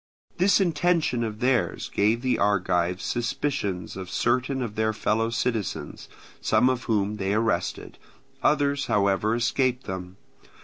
This intention of theirs gave the Argives suspicions of certain of their fellow citizens, some of whom they arrested; others, however, escaped them.